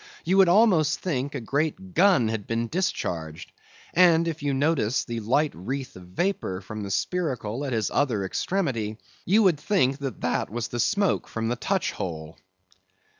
You would almost think a great gun had been discharged; and if you noticed the light wreath of vapor from the spiracle at his other extremity, you would think that that was the smoke from the touch hole.